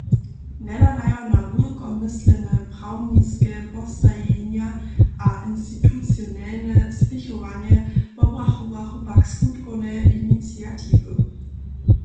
Njehladajo na wulkomyslne prawniske postajenja a institucionelne spěchowanje pobrachowachu pak skutkowne iniciatiwy.